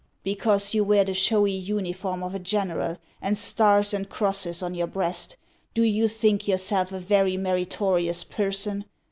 Because you wear the showy uniform of a general, and stars and crosses on your breast, do you think yourself a very meritorious person